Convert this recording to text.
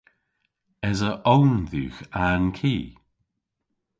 Esa own dhywgh a'n ki?